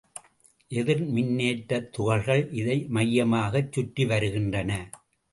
எதிர் மின்னேற்றத் துகள்கள் இதை மையமாகச் சுற்றிவருகின்றன.